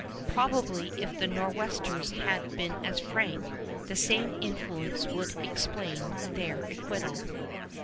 Probably if the Nor'westers had been as frank, the same influence would explain their acquittal.